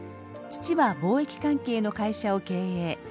父は貿易関係の会社を経営。